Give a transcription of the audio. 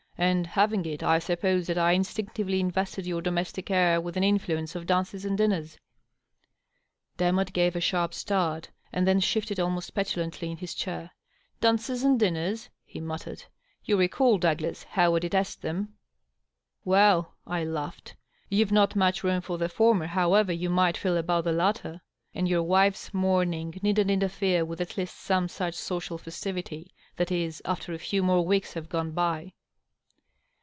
And having it, I suppose that I instinctively invested your domestic air with an influence of dances and dinners." Demotte gave a sharp start, and then shifted almost petulantly in his chair. " Dances and dinners ?" he muttered. " You readl, Douglas, how I detest them?" " Well," I laughed, " youH'e not much room for the former, how ever you might feel about the latter. And your wife's mourning needn't Vol. XiXIX.— 38 578 DOUGLAS DUANE, interfere with at least some such occasional festivity — that is, after a few more weeks have gone by."